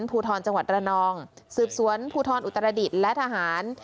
ภูทรจังหวัดระนองสืบสวนภูทรอุตรดิษฐ์และทหาร